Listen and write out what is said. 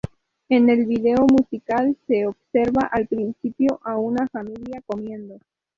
En el vídeo musical, se observa al principio a una familia comiendo.